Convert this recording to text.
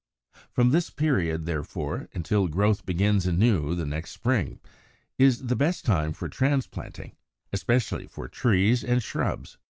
From this period, therefore, until growth begins anew the next spring, is the best time for transplanting; especially for trees and shrubs.